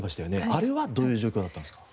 あれはどういう状況だったんですか？